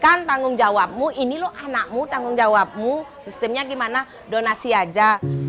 kan tanggung jawabmu ini loh anakmu tanggung jawabmu sistemnya gimana donasi aja